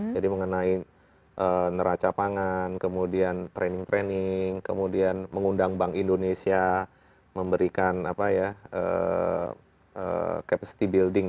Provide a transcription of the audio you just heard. jadi mengenai neraca pangan kemudian training training kemudian mengundang bank indonesia memberikan capacity building